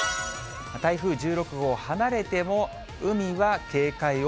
台風１６号、離れても海は警戒を。